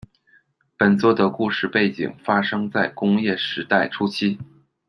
本作的故事背景发生在工业时代初期。